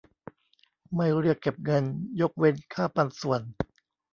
ไม่เรียกเก็บเงิน ยกเว้นค่าปันส่วน